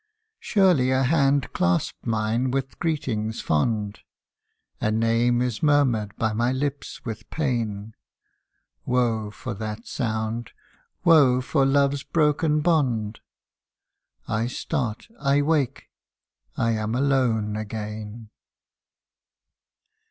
Surely a hand clasped mine with greetings fond ! A name is murmured by my lips with pain ; Woe for that sound woe for love's broken bond. I start I wake I am alone again